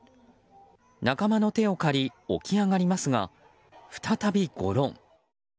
仲間の手を借り起き上がりますが、再びゴロン。